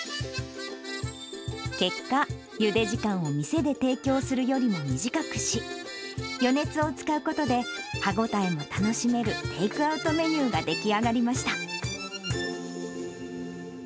結果、ゆで時間を店で提供するよりも短くし、余熱を使うことで、歯ごたえも楽しめるテイクアウトメニューが出来上がりました。